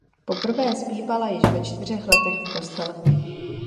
Poprvé zpívala již ve čtyřech letech v kostele.